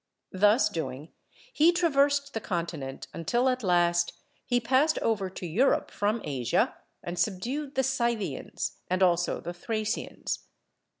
Thus doing he traversed the continent, until at last he passed over to Europe from Asia and subdued the Scythians and also the Thracians.